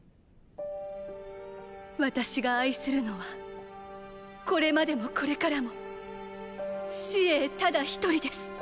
私が愛するのはこれまでもこれからも紫詠ただ一人です。